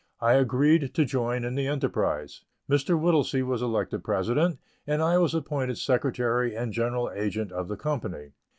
I agreed to join in the enterprise. Mr. Whittlesey was elected President, and I was appointed Secretary and General Agent of the Company.